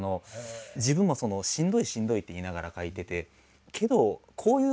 自分もしんどいしんどいって言いながら描いてて。